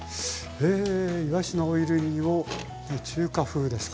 へいわしのオイル煮を中華風ですか。